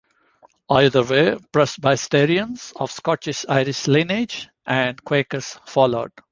Either way, Presbyterians of Scotch-Irish lineage and Quakers followed.